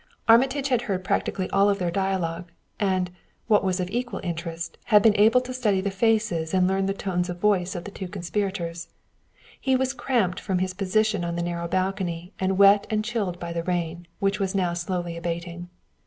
Armitage had heard practically all of their dialogue, and, what was of equal interest, had been able to study the faces and learn the tones of voice of the two conspirators. He was cramped from his position on the narrow balcony and wet and chilled by the rain, which was now slowly abating.